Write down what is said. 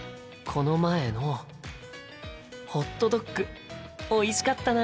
この前のホットドッグおいしかったな。